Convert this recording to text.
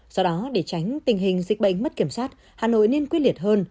do đó để tránh tình hình dịch bệnh mất kiểm soát hà nội nên quyết liệt hơn